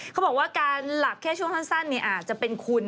เขาบอกว่าการหลับแค่ช่วงสั้นอาจจะเป็นคุณ